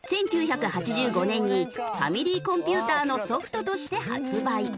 １９８５年にファミリーコンピュータのソフトとして発売。